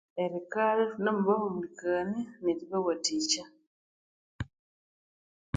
Erikalha thunamubahumulikania neribawathikya.